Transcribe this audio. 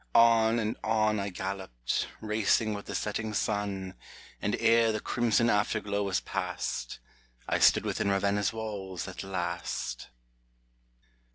— On and on I galloped, racing with the setting sun, And ere the crimson after glow was passed, I stood within Ravenna's walls at last